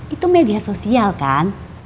itu media sosial kan